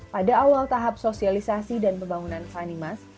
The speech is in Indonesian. pada awal tahap sosialisasi dan pembangunan sanimas